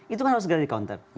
itu kan harus segera di counter